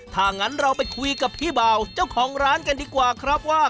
ถ้างั้นเราไปคุยกับพี่เบาเจ้าของร้านกันดีกว่าครับว่า